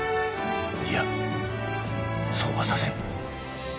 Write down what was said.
いやそうはさせん